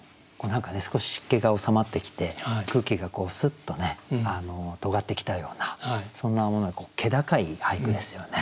何か少し湿気が収まってきて空気がスッとねとがってきたようなそんな気高い俳句ですよね。